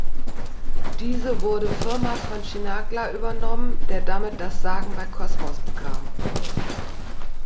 Diese wurde Firma von Chinaglia übernommen der damit das Sagen bei Cosmos bekam.